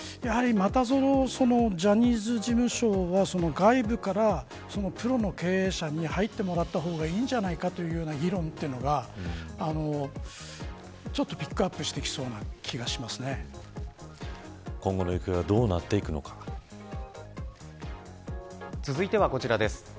そしてここまできてしまうとやはり、またジャニーズ事務所は外部からプロの経営者に入ってもらった方がいいんじゃないかというような議論がピックアップしてきそうな気が今後の行方は続いてはこちらです。